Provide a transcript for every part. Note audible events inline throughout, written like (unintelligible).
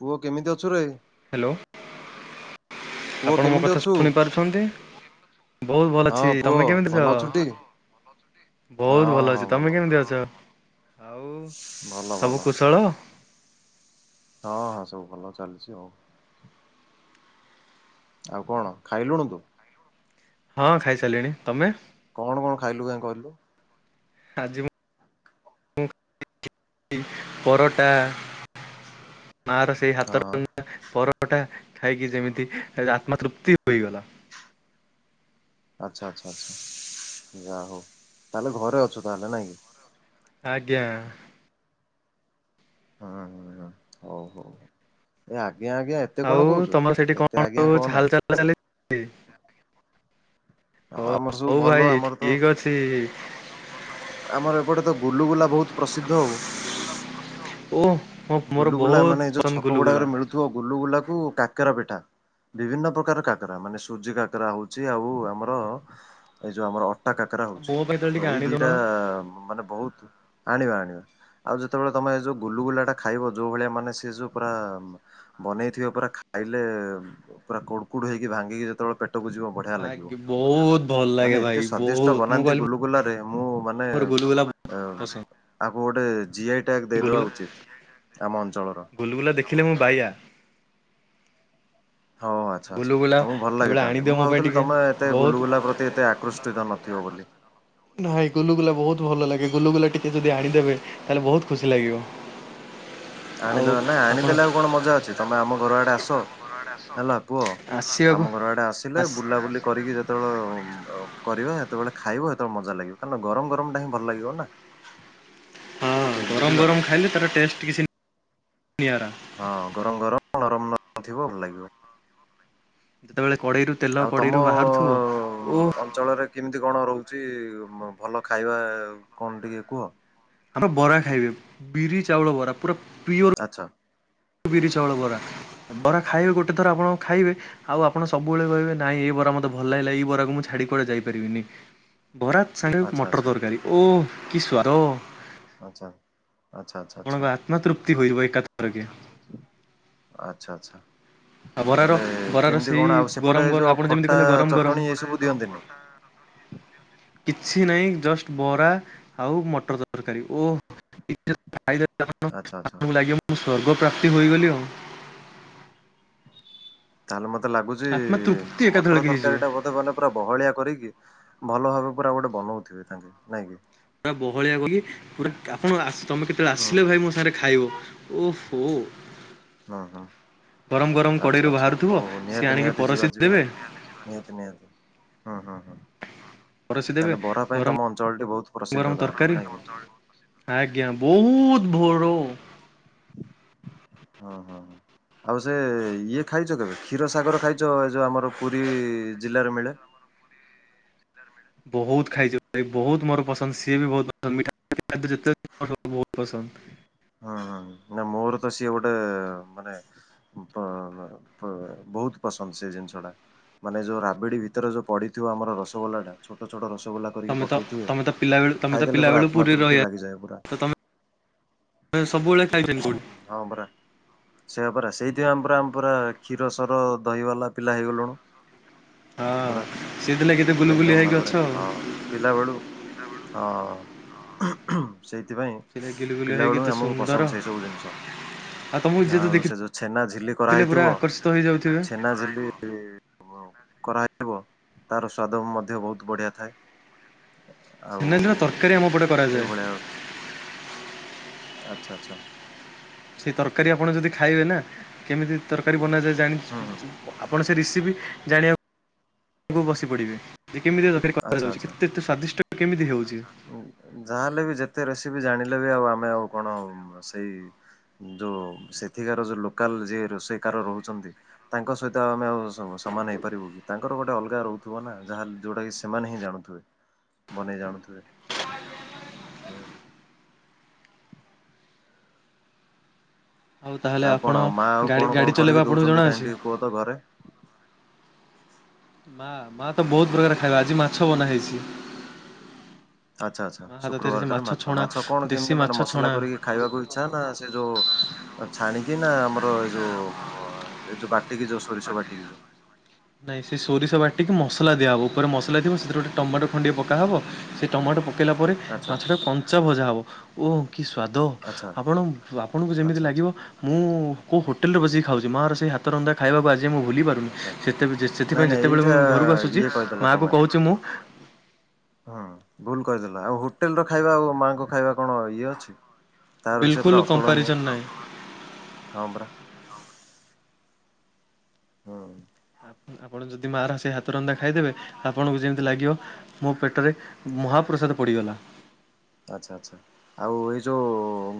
ପୁଅ କେମିତି ଅଛୁ ରେ? ହ୍ୟାଲୋ ପୁଅ ଆପଣ ମୋ କେମିତି କଥା ଅଛୁ ଶୁଣିପାରୁଛନ୍ତି? ବହୁତ ଭଲ ଅଛି ହଁ ପୁଅ ତମେ କେମିତି ଭଲ ଅଛୁଟି ଅଛ? ହଁ ବହୁତ ଭଲ ହଁ ଅଛି ତମେ ଭଲ କେମିତି ଅଛ ଆଉ ଭଲ ଭଲ ସବୁ କୁଶଳ। ହଁ ସବୁ ଭଲ ଚାଲିଛି ଆଉ। ଆଉ କଣ ଖାଇଲୁନୁ ତୁ? ହଁ ଖାଇସାରିଲିଣି ତମେ? କଣ କଣ ଖାଇଲୁ କାଁ କହିଲୁ। (unintelligible) ମା ର ସେ ହାତ ପରଟା ଖାଇକି ଯେମିତି ଆତ୍ମା ତୃପ୍ତି ହୋଇଗଲା। ଆଚ୍ଛା ଆଚ୍ଛା ଆଚ୍ଛା ଯା ହଉ ତାହେଲେ ଘରେ ଅଛୁ ତାହେଲେ ନାଇଁ କି। ଆଜ୍ଞା। ହୁଁ ହୁଁ ହୁଁ ହଉ ହଉ। ଏ ଆଜ୍ଞା ଆଜ୍ଞା ଏତେ କଣ କହୁଛୁ ଏତେ ଆଜ୍ଞା କହନା। ହ ଆମର ସବୁ ହଉ ଭଲ ଭାଇ ଆମର ତ ଠିକ ଅଛି। (inaudible) ଆମର ଏପଟେ ତ ଗୁଲୁଗୁଲା ବହୁତ୍ ପ୍ରସିଦ୍ଧ ଆଉ। ଓ ମୋର ଗୁଲୁଗୁଲା ବହୁତ ମାନେ ଯୋଉ ପସନ୍ଦ ଛକ ଗୁଲୁଗୁଲା ଗୁଡାକରେ ମିଳୁଥିବ ଗୁଲୁଗୁଲା କୁ କାକେରା ପିଠା। ବିଭିନ୍ନ ପ୍ରକାର କାକରା ମାନେ ସୁୂଜି କାକରା ହଉଛି ଆଉ ଆମର ଏଇ ଯୋଉ ଆମର ଅ ଟା କାକରା ହଉଛି ମୋ ପାଇଁ ଟିକେ ତ ଏଇ ଆଣିଦଉନ ଦିଟା ମାନେ ବହୁତ ଆଣିବା ଆଣିବା ଆଉ ଯେତେବେଳେ ତମେ ଏ ଯୋଉ ଗୁଲୁଗୁଲା ଟା ଖାଇବ ଯୋଉ ଭଳିଆ ମାନେ ସେ ଯୋଉ ପୁରା ବନେଇଥିବ ପୁରା ଖାଇଲେ ପୁରା କୁଡୁ କୋଡୁ ହେଇକି ଭାଙ୍ଗିକି ଯେତେବେଳେ ପେଟକୁ ଯିବ। ବଢିଆ ଲାଗିବ ବହୁତ ଭଲ ମାନେ ଲାଗେ ଭାଇ ଏତେ ସ୍ଵାଦିଷ୍ଟ ବହୁତ ମୁଁ ବନାନ୍ତି କହିଲି ଗୁଲୁଗୁଲାରେ ମୁଁ ମାନେ ମୋର ଗୁଲୁଗୁଲା ଏ ପସନ୍ଦ ଆକୁ ଗୋଟେ ଜିଆଇ ଟ୍ୟାକ ଦେଇଦବା ଗୁଲୁଗୁଲା ଉଚିତ୍ ଆମ ଅଞ୍ଚଳର ଗୁଲୁଗୁଲା ଦେଖିଲେ ମୁଁ ବାଇଆ। ହଁ ଆଛା ଆଚ୍ଛା। ଗୁଲୁଗୁଲା ତମକୁ ଭଲ କେବଳ ଲାଗେ ତାହେଲେ ଆଣିଦିଅ ମୁଁ ମୋ ପାଇଁ ଭାବୁଥିଲି ଟିକେ ତମେ ଏତେ ବହୁତ ଗୁଲୁଗୁଲା ପ୍ରତି ଏତେ ଆକୃଷ୍ଟିତ ନଥିବ ବୋଲି। ନାଇଁ ଗୁଲୁଗୁଲା ବହୁତ୍ ଭଲ ଲାଗେ ଗୁଲୁଗୁଲା ଟିକେ ଯଦି ଆାଣିଦେବେ ତାହେଲେ ବହୁତ୍ ଖୁସି ଲାଗିବ। ଆଉ ଆଣିଦବା ନା ଆପଣ ଆଣିଦେଲେ ଆଉ କଣ ମଜା ଅଛି ତମେ ଆମ ଘର ଆଡେ ଆସ ହେଲା ପୁଅ। ଆସିବାକୁ ଆମ ଘର ଆଡେ ଆସିଲେ ଆସ ବୁଲାବୁଲି କରିକି ଯେ (unintelligible) କରିବା ହେତବେଳେ ଖାଇବ ହଜତବେଳେ ମଜା ଲାଗିବ କାରଣ ଗରମ୍ ଗରମ୍ ଟା ହିଁ ଭଲ ଲାଗିବ ନା ହଁ ଠିକ ଗରମ୍ ବୁଝିଲ ନା ଗରମ୍ ଖାଇଲେ ତାର ଟେଷ୍ଟ ଟିକେ ସେମିତି ନିଆରା। ହଁ ଗରମ୍ ଗରମ୍ ନରମ ନରମ ଥିବ ଭଲ ଲାଗିବ। ଯେତେବେଳେ କଡ଼େଇରୁ ତେଲ ଆଉ କଡ଼େଇରୁ ତମ ବାହାରୁଥିବ ଓଃ ଅ ଅଞ୍ଚଳରେ କେମିତି କଣ ରହୁଛି ଭଲ ଖାଇବା କଣ ଟିକେ କୁହ? (unintelligible) ବରା ଖାଇବେ ବିରି, ଚାଉଳ ବରା ପୁରା ପିଓର ଆଚ୍ଛା। ବିରି, ଚାଉଳ ବରା ବରା ଖାଇବେ ଗୋଟେ ଥର ଆପଣ ଖାଇବେ ଆଉ ଆପଣ ସବୁବେଳେ କଇବେ ନାଇଁ ଏଇ ବରା ମତେ ଭଲ ଲାଗିଲା ଏଇ ବରାକୁ ମୁଁ ଛାଡି କୁଆଡେ ଯାଇପାରିବିନି। ବରା ସାଙ୍ଗେ ଆଚ୍ଛା ମଟର ଆଚ୍ଛା ତରକାରୀ ଓ କି ସ୍ବାଦ। ଆଚ୍ଛା, ଆଚ୍ଛା, ଆଚ୍ଛା, ଆଚ୍ଛା। ମନ ତୃପ୍ତି ହୋଇଯବ ଏକାଥରକେ। ଆଚ୍ଛା, ଆଚ୍ଛା। ଆଉ ବରାର ହେଲେ ବରାର କେମିତି ସେଇ କଣ ଆଉ ଗରମ ସେପଟେ ଏ ଗରମ ଯୋଉ ଆପଣ ଯେମିତି ଖଟା କହିଲେ ଗରମ ଗରମ ଚଟଣି ଏସବୁ ଦିଅନ୍ତିନି? କିଛି ନାଇଁ ଜଷ୍ଟ ବରା ଆଉ ମଟର ତରକାରୀ ଓ ଆଚ୍ଛା ଆଚ୍ଛା (unintelligible) ଲାଗିବ ମୁଁ ସ୍ଵର୍ଗ ପ୍ରାପ୍ତି ହୋଇଗଲି ଆଉ। ତାହେଲେ ମତେ ଲାଗୁଚି ଆତ୍ମା ତୃପ୍ତି ମଟର ଏକାଥରକେ ହେଇଯିବ। ତରକାରୀ ଟା ବୋଧେ ମାନେ ପୁରା ବହଳିଆ କରିକି ଭଲ ଭାବେ ପୁରା ଗୋଟେ ବନଉଥିବେ ତାଙ୍କେ ନାଇଁ କିି? ପୁରା ବହଳିଆ ବୋଲି ପୁରା କା ଆପଣ ଆସ ତମେ କେତେବେଳେ ହୁଁ ଆସିଲେ ହୁଁ ଭାଇ ମୋ ସାଙ୍ଗରେ ଖାଇବ। ଓହୋ। ହୁଁ ହୁଁ ଗରମ୍ ଗରମ୍ ଆଚ୍ଛା କଡେଇରୁ ଆଚ୍ଛା ହଉ ବାହାରୁଥିବ ହଉ ସିଏ ନିହାତି ଆଣିକି ନିହାତି ଯିବା ପରସି ଯିବା ଦେବେ। ନିହାତି ନିହାତି ହୁଁ ହୁଁ ହୁଁ। ପରସି ଦେବେ ତାଲେ ବରା ପାଇଁ ଗରମ ତମ ଅଞ୍ଚଳ ଟି ବହୁତ୍ ଗରମ ପ୍ରସିଦ୍ଧ ତାହେଲେ ତରକାରୀ ନାଇଁ କି? ଆଜ୍ଞା ବହୁତ୍ ଭୋରୁ ହଁ ହଁ ହଁ। ଆଉ ସେ ଇଏ ଖାଇଚ କେବେ କ୍ଷୀର ସାଗର ଖାଇଚ ଏ ଯୋଉ ଆମର ପୁରୀ ଜିଲ୍ଲାରେ ମିଳେ। ବହୁତ୍ ଖାଇଛି ଭ ବହୁତ୍ ମୋର ପସନ୍ଦ ସିଏ ବି ବହୁତ୍ ପସନ୍ଦ ମିଠା ଯେତେ ବହୁତ୍ ପସନ୍ଦ। ହଁ ହଁ ନା ମୋର ତ ସିଏ ଗୋଟେ ମାନେ ବ ବ ପ ବହୁତ୍ ପସନ୍ଦ ସେ ଜିନିଷ ଟା। ମାନେ ଯୋଉ ରାବିଡି ଭିତରେ ଯୋଉ ପଡିଥିବ ଆମର ରସଗୋଲା ଟା ଛୋଟଛୋଟ ରସଗୋଲା କରିକି ତମେ ତ ପକେଇଥିବେ। ତମେ ତ ପିଲା ବେଳୁ ତମେ ତ ଖାଇଦେଲେ ପିଲା ପୁରା ବେଳୁ ଆତ୍ମା ପୁରୀ ତୃପ୍ତି ରହିଆ ଲାଗିଯାଏ ପୁରା ତ ତମେ ସବୁବେଳେ (unintelligible) ହଁପରା। ସେଇ ପରା ସେଇଥିପାଇଁ ଆମ ପୁରାମ ପୁର କ୍ଷୀର ସର ଦହି ବାଲା ପିଲା ହେଇଗଲୁଣୁ। ହଁ ପୁରା। ସିଥିଲାଗି କେତେ ବୁଲୁ ଏକଦମ ବୁଲିଆ ହେଇକି ଭାବରେ ଅଛ ଆଉ। ହଁ ପିଲାବେଳୁ ହଁ ସେଇଥିପାଇଁ ସେଇଟା ଗିଲୁ ଗୁଲୁ ପିଲା ହେଇକି ବେଳୁ କେତେ ଆମକୁ ସୁନ୍ଦର ପସନ୍ଦ ସେଇ ସବୁ ଜିନିଷ। ଆଉ ତମକୁ ଯିଏ ତ ଆଉ ସେ ଦେଖିଥିଲେ ଯୋଉ ଛେନା ଝିଲି ପୁରା କରାହେଇଥିବ ଆକର୍ଷିତ ହେଇଯାଉଥିବେ। ଛେନାଝିଲି କରାହେଇଥିବ ତାର ସ୍ଵାଦ ମଧ୍ୟ ବହୁତ ବଢିଆ ଥାଏ। (unintelligible) ଆଉ ତରକାରୀ ଆମ ପଟେ କରାଯାଏ। ଏଇଭଳିଆ ଆଚ୍ଛା ଆଚ୍ଛା। ସେଇ ତରକାରୀ ଆପଣ ଯଦି ଖାଇବେ ନା କେମିତି ତରକାରୀ ବନାଯାଏ ଜାଣି ହୁଁ ହୁଁ (unintelligible) ଆପଣ ସେ ରିସିପି ଜାଣିବାକୁ ବସି ପଡ଼ିବେ ଯେ କେମିତି ତରକାରି ଆଚ୍ଛା କରାଯାଉଛି କେତେ ସ୍ଵାଦିଷ୍ଟ କେମିତି ହଉଚି। ଯାହା ହେଲେ ବି ଯେତେ ରେସିପି ଜାଣିଲେ ବି ଆଉ ଆମେ ଆଉ କଣ ସେଇ ଯୋଉ ସେଠିକାର ଯୋଉ ଲୋକାଲ ଯିଏ ରୋଷେଇକାର ରହୁଛନ୍ତି। ତାଙ୍କ ସହିତ ଆମେ ଆଉ ସମାନ ହେଇପାରିବୁ କି ତାଙ୍କର ଗୋଟେ ଅଲଗା ରହୁଥିବ ନା ଯାହା ଯୋଉଟା କି ସେମାନେ ହିଁ ଜାଣୁଥିବେ ବନେଇ ଜାଣୁଥିବେ ହୁଁ। ତାହେଲେ ଆଉ ଆପଣ କଣ ଆଉ ମା ଆଉ ଗାଡ଼ି କଣ ଗାଡ଼ି କଣ ଚଲେଇବା କରିକି ଆପଣଙ୍କୁ ଦଉଚନ୍ତି କାହିଁ ଜଣାଅଛି? ଟିକି କୁହ ତ ଘରେ। ମା ମା ତ ବହୁତ ପ୍ରକାର ଖାଇବା ଆଜି ମାଛ ବନା ହେଇଛି। ଆଚ୍ଛା ଆଚ୍ଛା ମା ହାତ ତିଆରି ଶୁକ୍ରବାରଟାରେ ମାଛ ଛଣା ମାଛ କଣ ଦେଶୀ କେମିତି ମାଛ ମାନେ ମସଲା ଛଣା କରିକି ଖାଇବାକୁ ଇଚ୍ଛା ନା ସେ ଯଉ ଛାଣିକି ନା ଆମର ଏଇ ଯୋଉ ଏଇ ଯୋଉ ବାଟିକି ଯୋଉ ସୋରିଷ ବାଟିକି ଯୋଉ ନାଇଁ ସେ ସୋରିଷ ବାଟିକି ମସଲା ଦିଆହବ ଉପରେ ମସଲା ଥିବ ସେଥିରେ ଗୋଟେ ଟମାଟୋ ଖଣ୍ଡିଏ ପକାହବ ସେ ଟମାଟୋ ପକେଇଲା ପରେ ଆଚ୍ଛା ମାଛ ଟା କୁ କଞ୍ଚା ଭଜା ହବ ଓ କି ସ୍ଵାଦ ଆଚ୍ଛା ଆପଣ ଆପଣଙ୍କୁ ଯେମିତି ଆଚ୍ଛା ଲାଗିବ ଆଚ୍ଛା ମୁଁ କୋଉ ହୋଟେଲରେ ବସିକି ଖାଉଛି ମା ର ସେଇ ହାତ ରନ୍ଧା ଖାଇବାକୁ ଆଜି ମୁଁ ଭୁଲି ପାରୁନି। ଆଚ୍ଛା ଆଚ୍ଛା ସେତେ ବେ ସେ ନାଇଁ ସେଥିପାଇଁ ନାଇଁ ଯେତେବେଳେ ମୁଁ ଏଇଟା ଘରକୁ ଆସୁଚି ଇଏ କହିଦେଲ ମା କୁ କହୁଚି ମୁଁ ହଁ ଭୁଲ କରିଦେଲ ଆଉ ହୋଟେଲ ର ଖାଇବା ଆଉ ମାଆଙ୍କ ଖାଇବା କଣ ଇଏ ଅଛି। ତାର ସିଏ ବିଲକୁଲ ପରା ଅତୁଳନୀୟ କମ୍ପାରିଜନ୍ ନାହିଁ ହଁ ପରା। ହୁଁ। ଆପଣ ଯଦି ମା ର ସେ ହାତ ରନ୍ଧା ଖାଇଦେବେ ଆପଣଙ୍କୁ ଯେମିତି ଲାଗିବ ମୋ ପେଟରେ ମହାପ୍ରସାଦ ପଡ଼ିଗଲା। ଆଚ୍ଛା ଆଚ୍ଛା ଆଉ ଏଇ ଯୋଉ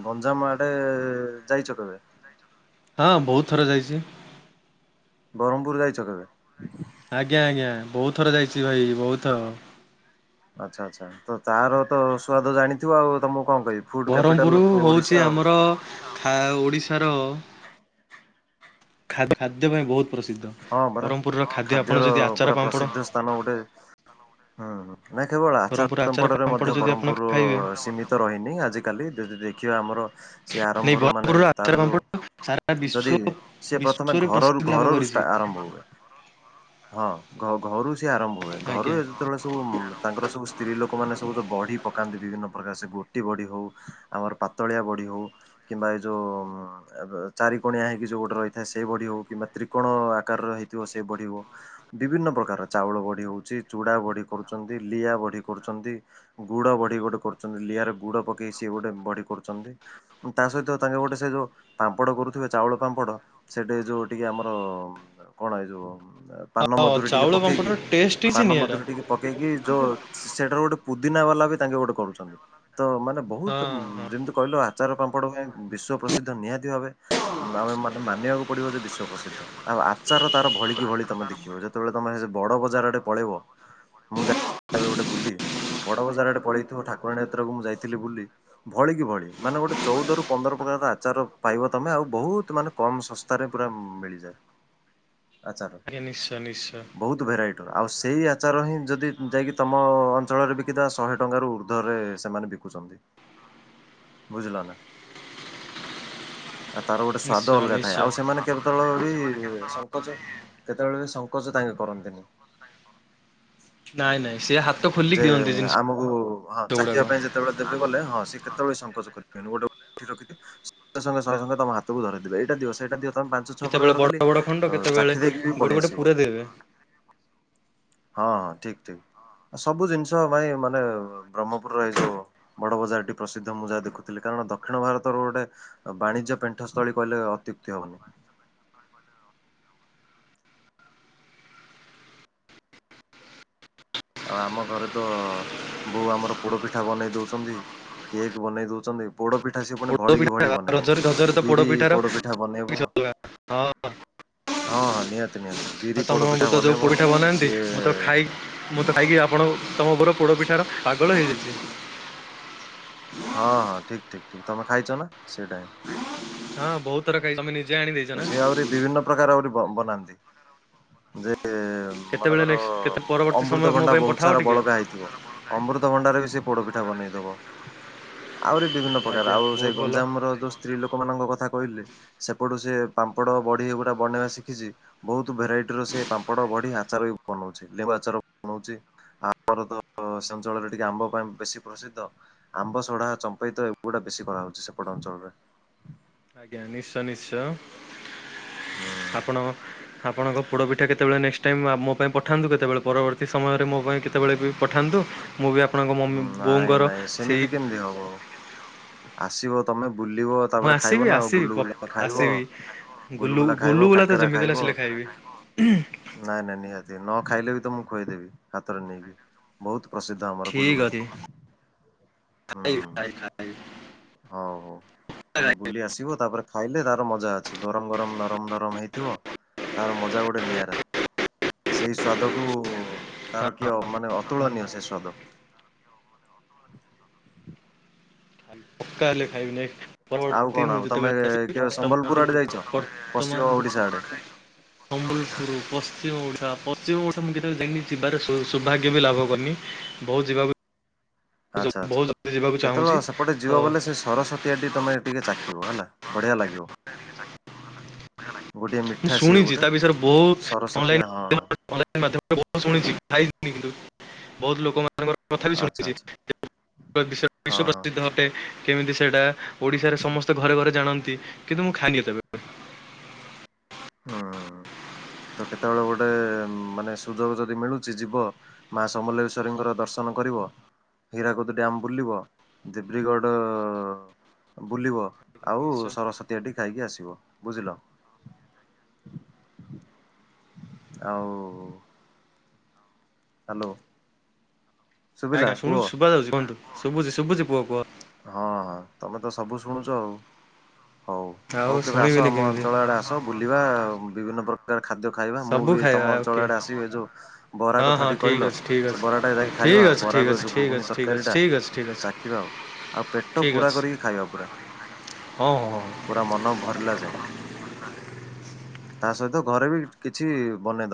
ଗଞ୍ଜାମ ଆଡେ ଯାଇଚ କେବେ। ହଁ ବହୁତ ଥର ଯାଇଚି। ବରହ୍ମପୁର ଯାଇଚ କେବେ। ଆଜ୍ଞା ଆଜ୍ଞା ବହୁତ ଥର ଯାଇଚି ଭାଇ ବହୁତ ଥର। ଆଛା ଆଚ୍ଛା ତ ତାର ତ ସୁ୍ଆଦ ଜାଣିଥିବ ଆଉ ତ ମୁଁ କଣ କହିବି। Food capital Berhampur of Odisha ହଉଚି ଆଉ। ଆମର ଖା ଓଡ଼ିଶାର ଖା ଖାଦ୍ୟ ପାଇଁ ବହୁତ ପ୍ରସିଦ୍ଧ ହଁ ପରା ବରହ୍ମପୁରର ଖାଦ୍ୟ ଖାଦ୍ୟର ଆପଣ ଯଦି ପୁରା ଆଚାର ପାମ୍ପଡ଼ ପ୍ରସିଦ୍ଧ ସ୍ଥାନ ଗୋଟେ ହଁହଁ ନାଇଁ କେବଳ ଆଚାର ବ୍ରହ୍ମପୁର ପାମ୍ପଡ଼ ରେ ମଧ୍ୟ ଯଦି ଆପଣ ବରହ୍ମପୁର ଖାଇବେ ସୀମିତ ତ ରହିନି ଆଜିିକାଲି ଯଦି ଦେଖିବା ଆମର ସିଏ ନାଇଁ ଆରମ୍ଭରୁ ମାନେ ବ୍ରହ୍ମପୁରର ତାର ଆଚାର ପାମ୍ପଡ଼ ସାରା ଯୋଉ ବିଶ୍ଵ ଯଦି ସିଏ ପ୍ରଥମେ ବିଶ୍ଵରେ ଘରରୁ ପ୍ରସିଦ୍ଧି ଲାଭ ଘରରୁ କରିଛି। ଷ୍ଟା ଆରମ୍ଭ ହୁଏ ହଁ ଘ ଘରୁ ସିଏ ଆରମ୍ଭ ହୁଏ ଘରୁ ଆଜ୍ଞା। ଯେତେବେଳେ ସବୁ ତାଙ୍କର ସବୁ ସ୍ତ୍ରୀ ଲୋକ ମାନେ ସବୁ ବଢି ପକାନ୍ତି ବିଭିନ୍ନ ପ୍ରକାର ସେ ଗୋଟି ବଢି ହଉ ଆମର ପାତଳିଆ ବଢ଼ି ହେଉ କିମ୍ବା ଏଇ ଯୋଉ ଚାରି କଣିଆ ହେଇକି ଯୋଉ ଗୋଟେ ରହିଥାଏ ସେଇ ବଢି ହଉ କିମ୍ବା ତ୍ରି କଣ ଆକାରର ହେଇଥିବ ସେ ବଢି ହଉ ବିଭିନ୍ନ ପ୍ରକାର ଚାଉଳ ବଡ଼ି ହଉଚି ଚୁଡା ବଢି କରୁଛନ୍ତି ଲିଆ ବଢି କରୁଛନ୍ତି ଗୁଡ ବଢି ଗୋଟେ କରୁଛନ୍ତି ଲିଆରେ ଗୁଡ ପ ସିଏ ଗୋଟେ ବଢି କରୁଛନ୍ତି ତା ସହିତ ତାଙ୍କେ ଗୋଟେ ସେ ଯୋଉ ପାମ୍ପଡ କରୁଥିବେ ଚାଉଳ ପାମ୍ପଡ ସେଠି ଯୋଉ ଟିକେ ଆମର ଆମର କଣ ଏଇ ଯୋଉ ପାନ ହଁ ମଧୁରୀ ଟିକେ ଚାଉଳ ପକେଇକି ପାମ୍ପଡ଼ର ଟେଷ୍ଟ କିଛି ପାନ ନିଆରା। ମଧୁରୀ ଟିକେ ପକେଇକି ଯୋଉ ସେଠାରୁ ଗୋଟେ ପୁଦିନା ବାଲା ବି ତାଙ୍କେ ଗୋଟେ କରୁଚନ୍ତି ତ ମାନେ ବୋହୁତ ହଁ ହଁ ଯେମିତି କହିଲ ଆଚାର ପାମ୍ପଡ଼ ପାଇଁ ବିଶ୍ଵ ପ୍ରସିଦ୍ଧ ନିହାତି ଭାବେ ଆମେ ମାନେ ମାନିବାକୁ ପଡିବ ଯେ ବିଶ୍ୱ ପ୍ରସି ଦ୍ଧ ଆଉ ଆଚାର ତାର ଭଳି କିି ଭଳି ତମେ ଦେଖିବ। ଯେତେବେଳେ ତମେ ସେ ବଡ ବଜାର ଆଡେ ପଳେଇବ ମୁଁ ଯାଇ (inaudible) ଗୋଟେ ବୁଲି ବଡ ବଜାର ଆଡେ ପଳେଇଥିବ। ଠାକୁରାଣୀ ଯାତ୍ରାକୁ ମୁଁ ଯାଇଥିଲି ବୁଲି। ଭଳି କି ଭଳି ମାନେ ଗୋଟେ ଚୋଉଦରୁୁ ପନ୍ଦର ପ୍ରକାର ଆଚାର ପାଇବ ତମେ ଆଉ ବୋହୁତ ମାନେ କମ୍ ଶସ୍ତାରେ ପୁରା ମିଳିଯାଏ। ଆଚାର ଆଜ୍ଞା ନିଶ୍ଚୟ ନିଶ୍ଚୟ। ବୋହୁତ ଭେରାଇଟିର ଆଉ ସେଇ ଆଚାର ହିଁ ଯଦି ଯାଇକି ତମ ଅଞ୍ଚଳରେ ବିକି ଦବା ଶହେ ଟଙ୍କାରୁ ଉ ର୍ଦ୍ଧ ରେ ସେମାନେ ବିକୁଚନ୍ତି ବୁଝିଲ ନା। ଆ ତାର ଗୋଟେ ସ୍ଵାଦ ନିଶ୍ଚୟ ଅଲଗା ଥାଏ। ନିଶ୍ଚୟ। ଆଉ ସେମାନେ କେତେବୋଳେ ବି ସଙ୍କୋଚ କେତେବେଳେ ବି ସଙ୍କୋଚ ତାଙ୍କେ କରନ୍ତିନି। ନାଇଁ ନାଇଁ ସିଏ ହାତ ଖୋଲିକି ଯେ ଦିଅନ୍ତି ଏ ଜିନିଷ ଆମ ଓ ହଁ ଗୁଡାକ। ଚାଖିବା ପାଇଁ ଯେତେବେଳେ ଦେବେ ଗଲେ ହଁ ସେ କେତେବେଳେ ସଙ୍କୋଚ କରିବେନି। ଗୋଟେ (inaudible) ଠି ରଖିଥିବେ। ସଙ୍ଗେ ସଙ୍ଗେ ଶହେ ଟଙ୍କା ତମ ହାତକୁ ଧରେଇ ଦେବେ ଏଇଟା ଦିଅ ସେଇଟା ଦିଅ। ତମେ ପାଞ୍ଚ ଛଅ କେତେବେଳେ ପ୍ରକାର ବଡ ଖାଲି ବଡ ଖଣ୍ଡ ଅଂ କେତେବେଳେ ଚାଖି ଦେଇକି ବି ଗୋଟେ ପଳେଇ ଗୋଟେ ଆସିବ। ପୁରା ଦେବେ। ହଁ ହଁ ଠିକ୍ ଠିକ୍ ସବୁ ଜିନିଷ ପାଇଁ ମାନେ ବ୍ରହ୍ମପୁରରେ ଏଇ ଯୋଉ ବଡ ବଜାରଟି ପ୍ରସିଦ୍ଧ। ମୁଁ ଯାହା ଦେଖୁଥିଲି କାରଣ ଦକ୍ଷିଣ ଭାରତର ଗୋଟେ ଆ ବାଣିଜ୍ୟ ପେଣ୍ଠସ୍ଥଳୀ କହିଲେ ଅତ୍ୟୁକ୍ତି ହବନି। ଆ ଆମ ଘରେ ତ ବୋଉ ଆମର ପୋଡ ପିଠା ବନେଇ ଦୋଉଚନ୍ତି। କେକ ବନେଇ ଦୋଉଚନ୍ତି। ପୋଡ ପିଠା ସେ ଫୁଣି ପୋଡ ଭଳିକି ପିଠା ଭଳି ବନେଇବ ରଜରେ ରଜରେ ତ ବିରି ପିଠାର ପୋଡ ପିଠା କିଛି ବନେଇବ ଅଲଗା ହଁ ଅଂ। ହଁ ହଁ ନିହାତି ନିହାତି ବିରି ମୁଁ ପୋଡପିଠା ତ ଯୋଉ ପୋଡ ବନେଇବ ପିଠା ବନାନ୍ତି ସିଏ ମୁଁ ତ ଖାଇ ମୁଁ ତ ଖାଇକି। ଆପଣ ତମ ପର ପୋଡ ପିଠାର ପାଗଳ ହେଇଯାଇଚି। ହଁ ହଁ ଠିକ୍ ଠିକ୍ ଠିକ୍ ତମେ ଖାଇଚ ନା ସେଇଟା ହିଁ। ହଁ ବୋହୁତ ଥର ଖାଇଚି ତମେ ନେଇ ସିଏ ଆହୁରି ବିଭିନ୍ନ ପ୍ରକାର ଆହୁରି ବ-ବନାନ୍ତି। ଯେ କେତେବେଳେ ମନେକର ନେକ୍ସଟ କେତେ ପରବର୍ତ୍ତୀ ସମୟ ମୋ ଅମୃତଭଣ୍ଡା ପାଇଁ ବୋହୁତ ପଠାଅ ସାରା ଟିକେ ବଳକା ହେଇଥିବ। ଅମୃତଭଣ୍ଡାରେ ବି ସିଏ ପୋଡପିଠା ବନେଇଦବ। ଆହୁରି ବିଭିନ୍ନ ପ୍ରକାର ଆଜ୍ଞା ଆଉ ସେ ବହୁତ ଭଲ ଗଞ୍ଜାମର ଯୋଉ ସ୍ତ୍ରୀ ଲୋକ ମାନଙ୍କ କଥା କହିଲେ। ସେ ପଟୁ ସିଏ ପାମ୍ପଡ ବଡି ଏଗୁଡା ବନେଇବା ଶିଖିଚି। ବୋହୁତ ଭେରାଇଟିର ସେ ପାମ୍ପଡ ବଡି ଆଚାର ବି ବନୋଉଚି ଲେମ୍ବୁ ଆଚାର ବନୋଉଚି। ଆମର ତ ସେ ଅଞ୍ଚଳରେ ଟିକେ ଆମ୍ବ ପାଇଁ ବେଶୀ ପ୍ରସିଦ୍ଧ। ଆମ୍ବସଢା ଚମ୍ପେଇ ତ ଏଗୁଡା ବେଶୀ କରାହୋଉଚି ସେପଟ ଅଞ୍ଚଳରେ। ଆଜ୍ଞା ନିଶ୍ଚୟ ନିଶ୍ଚୟ ହୁଁ। ଆପଣଙ୍କ ଆପଣଙ୍କ ପୋଡପି ଠା କେତେବେଳେ ନେକ୍ସଟ ଟାଇମ୍ ଆମ ମୋ ପାଇଁ ପଠାନ୍ତୁ କେତେବେଳେ। ପରବର୍ତ୍ତୀ ସମୟରେ ମୋ ପାଇଁ କେତେବେଳେ ବି ପଠାନ୍ତୁ। ମୁଁ ବି ଆପଣଙ୍କ ମମି ବୋଉଙ୍କର ସେଇ ଦେଇ ହବ। ଆସିବ ତମେ ବୁଲିବ। ମୁଁ ତାପରେ ଖାଇବ ଆସିବି ନା ଆଉ ଆସିବି ପ ଗୁଲୁଗୁଲା ଖାଇବ। ଆସିବି ଗୁଲୁଗୁଲା ଖାଇବ ଗୁଲ-ଗୁଲୁଗୁଲା ତ କାକେରା ଜେମିତି ଖାଇବ ହେଲେ ଆସିଲେ ଖାଇବି। (unintelligible) ନାଇଁ ନାଇଁ ନିହାତି ନ ଖାଇଲେ ବି ତ ମୁଁ ଖୋଇଦେବି ହାତରେ ନେଇକି ବୋହୁତ ପ୍ରସିଦ୍ଧ ଆମର। ଠିକ୍ ଗୁଲୁଗୁଲା ଅଛି ଖାଇବି ଖାଇବି ଖାଇବି। ହୋଉ ହୋଉ। ପୁରା ତମେ ଖାଇବି ବୁଲି ଆସିବ ତାପରେ ଖାଇଲେ ତାର ମଜା ଅଛି। ଗରମ ଗରମ ନରମ ନରମ ହେଇଥିବ। ତାର ମଜା ଗୋଟେ ନିଆଁରା। ସେଇ ସ୍ଵାଦକୁ ଖାଇବି ତାର କିଏ ମାନେ ଅତୁଳନୀୟ ସେ ସ୍ଵାଦ। ପକ୍କା ହେଲେ ଖାଇବିିନି? ଆଉ ପରବର୍ତ୍ତୀ କଣ ମୁଁ ଆଉ ତମେ ଯେତେବେଳେ କେବେ (unintelligible) ତମ ସମ୍ବଲପୁର ଆଡେ ଯାଇଛ? ପଶ୍ଚିମ ବର୍ତ୍ତମାନ ଓଡିଶା ଆଡେ ସମ୍ବଲପୁର ପଶ୍ଚିମ ଓଡ଼ିଶା, ପଶ୍ଚିମ ଓଡ଼ିଶା ମୁଁବେଳେ ଜଣି ଯିବାରେ ସୌଭାଗ୍ୟ ବି ଲାଭ କରିନି। ବହୁ ଯିବାକୁ। ଆଛା ଆଛା, ବହୁତ ଜଲଦି ଯିବାକୁ ଚାହୁଁଛି କେତେବେଳେ ସେପଟେ ତ ଯିବ ବୋଲେ ସେ ସରସ ତମେ ଟିକେ ଚାଖିବ ହେଲା, ବଢିଆ ଲାଗିବ। ଗୋଟିଏ ମୁଁ ମିଠା ସିଏ ଶୁଣିଛି ଗୋଟେ, ତା ବିଷୟରେ ବହୁତ ଅନଲାଇନ ସରସ୍ଵତୀ ହଁ (unintelligible) ବହୁତ ଲୋକ। କଥା ବି ଆଚ୍ଛା ଶୁଣିଚି, ଆଚ୍ଛା ବିଶ୍ୱ ହଁ ହଁ ପ୍ରସିଦ୍ଧ ଅଟେ। କେମିତି ସେଟା, ଓଡିଶାରେ ସମସ୍ତେ ଘରେ ଘରେ ଜାଣନ୍ତି, କିନ୍ତୁ ମୁଁ ଖାଲିି ତେବେ ହଁ ତ କେତେବେଳେ ଗୋଟେ ମାନେ ସୁଯୋଗ ଯଦି ମିଳୁଚି, ଯିବ ମା ସମଲେଶ୍ଵରୀଙ୍କର ଦର୍ଶନ କରିବ ହୀରାକୁଦ ଡ୍ୟାମ୍ ବୁଲିବ, ଦେବିଗଡ ବୁଲିବ ଆଉ ନିଶ୍ଚୟ। ସରସ୍ଵତୀଏଟି ଖାଇକି ଆସିବ ବୁଝିଲ? ଆଉ ହାଲୋ। ଆଜ୍ଞା ଶୁଣୁ ଶୁଭା ଯାଉଚି କହନ୍ତୁ? ଶୁବୁଚି ପୁଅ ପୁଅ ହଁ- ହଁ ତମେ ତ ସବୁ ଶୁଣୁଚ ଆଉ। ହଉ ଆଉ ହଉ କେବେ ଆସ ଶୁଣିବିନି ଆମ କେମିତି। ଅଞ୍ଚଳ ଆଡେ ଆସ ବୁଲିବା, ବିଭିନ୍ନ ପ୍ରକାର ଖାଦ୍ୟ ଖାଇବା, ମୁଁ ସବୁ ବି ଖାଇବା ତମ ଅଞ୍ଚଳ ଓକେ ଆଡେ ଆସିବି ଯୋଉ ବରା ହଁ କଥା ହଁ ଟି ଠିକ୍ କହିଲ ଅଛି ଠିକ୍ ସେ ଅଛି। ବରା ଟା ଯାଇକି ଠିକ୍ ଖାଇବା ଆଉ, ଅଛି ବରା ଠିକ୍ କୁ ଏ ଅଛି ଯଉ ଠିକ୍ ଘୁଗୁନି ଅଛି ଠିକ୍ ଅଛି ତରକାରୀଟା ଠିକ୍ ଅଛି ଠିକ୍ ଅଛି ଚାଖିବା ଆଉ, ଆଉ ପେଟ ଠିକ୍ ପୂରା ଅଛି କରିକି ଖାଇବା ପୁରା। ହଁ- ହଁ- ହ। ପୁରା ମନ ଭରିଲା ଯାଏଁ। ତା ସହିତ ଘରେ ବି କିଛି ବନେଇ ଦବ।